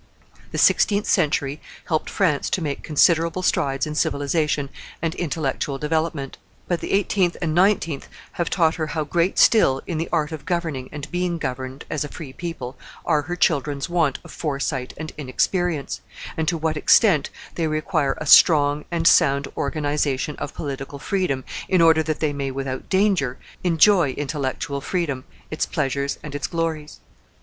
The sixteenth century helped France to make considerable strides in civilization and intellectual development; but the eighteenth and nineteenth have taught her how great still, in the art of governing and being governed as a free people, are her children's want of foresight and inexperience, and, to what extent they require a strong and sound organization of political freedom in order that they may without danger enjoy intellectual freedom, its pleasures and its glories.